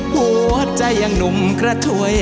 หัวใจยังหนุ่มกระถวย